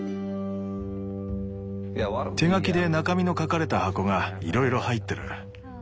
手書きで中身の書かれた箱がいろいろ入ってる。